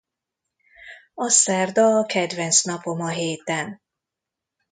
A szerda a kedvenc napom a héten.